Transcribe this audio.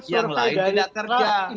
yang lain tidak kerja